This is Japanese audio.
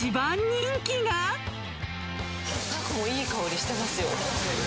いい香りしてますよ。